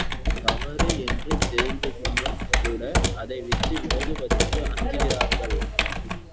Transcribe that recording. தவறு என்று தெரிந்தும்கூட அதைவிட்டு விலகுவதற்கு அஞ்சுகிறார்கள்.